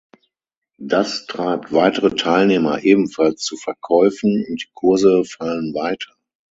Das treibt weitere Teilnehmer ebenfalls zu Verkäufen und die Kurse fallen weiter.